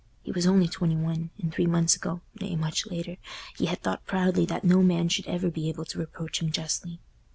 He was only twenty one, and three months ago—nay, much later—he had thought proudly that no man should ever be able to reproach him justly.